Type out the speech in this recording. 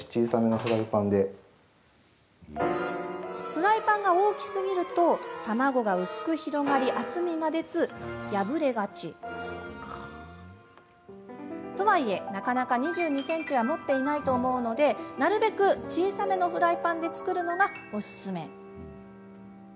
フライパンが大きすぎると卵が薄く広がり厚みが出ず、破れがち。とはいえ、なかなか２２ｃｍは持っていないと思うのでなるべく小さめのフライパンで作るのがおすすめです。